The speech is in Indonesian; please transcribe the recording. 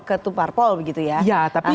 ketumpar pol begitu ya